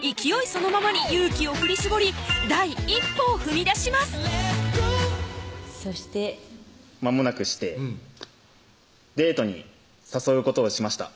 そのままに勇気を振り絞り第一歩を踏み出しますそしてまもなくしてデートに誘うことをしました